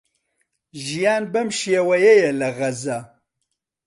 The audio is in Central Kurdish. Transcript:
ژیان بەم شێوەیەیە لە غەزە.